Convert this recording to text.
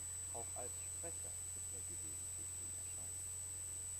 Auch als Sprecher tritt er gelegentlich in Erscheinung.